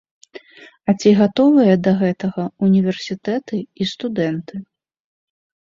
А ці гатовыя да гэтага ўніверсітэты і студэнты?